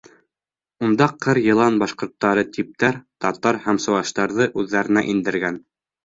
Унда ҡыр-йылан башҡорттары типтәр, татар һәм сыуаштарҙы үҙҙәренә индергән.